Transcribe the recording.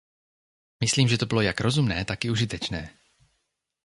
Myslím, že to bylo jak rozumné, tak i užitečné.